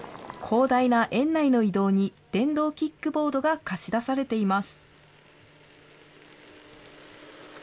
広大な園内の移動に電動キックボードが貸し出されています。